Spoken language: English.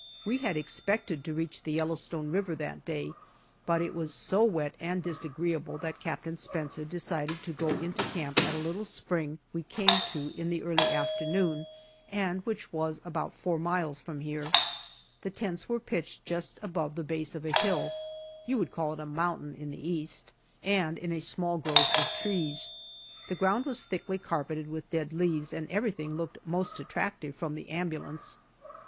We had expected to reach the Yellowstone River that day, but it was so wet and disagreeable that Captain Spencer decided to go into camp at a little spring we came to in the early afternoon, and which was about four miles from here. The tents were pitched just above the base of a hill you would call it a mountain in the East and in a small grove of trees. The ground was thickly carpeted with dead leaves, and everything looked most attractive from the ambulance.